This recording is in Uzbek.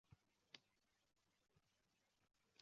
Oxiri arxeologlar muzayyanning eng qadimiy manzilgohi